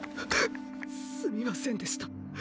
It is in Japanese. すみませんでした。